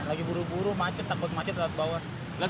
lagi buru buru macet takut macet